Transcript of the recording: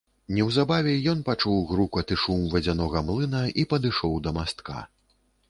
Неўзабаве ён пачуў грукат і шум вадзянога млына і падышоў да мастка.